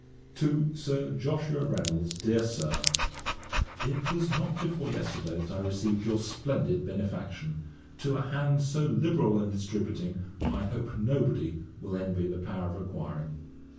'To SIR JOSHUA REYNOLDS. 'DEAR SIR, 'It was not before yesterday that I received your splendid benefaction. To a hand so liberal in distributing, I hope nobody will envy the power of acquiring.